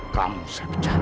kamu saya pecah